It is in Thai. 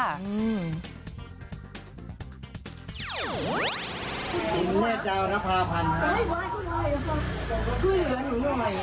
คุณแม่เจ้ารภาพันธรรมของเราเนี่ยครับ